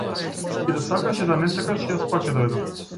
И да сакаш и да не сакаш јас пак ќе дојдам.